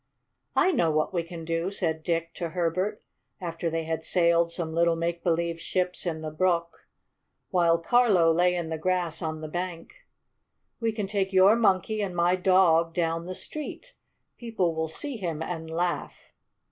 "I know what we can do," said Dick to Herbert, after they had sailed some little make believe ships in the brook, while Carlo lay in the grass on the bank. "We can take your Monkey and my dog down the street. People will see him and laugh.